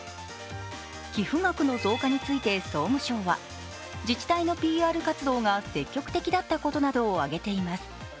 寄付額の増加について総務省は自治体のＰＲ活動が積極的だったことなどを挙げています。